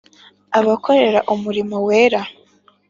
Abakorera umurimo wera